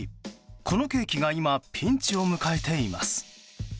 このケーキが今、ピンチを迎えています。